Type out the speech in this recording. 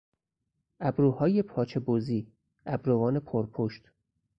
ابروهای پاچه بزی، ابروان پرپشت